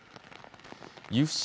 由布市